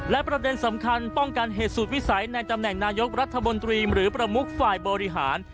และประเด็นสำคัญป้องกันเหตุสูตรวิสัยในตำแหน่งนายกรัฐมนตรีหรือประมุกฝ่ายบริหาร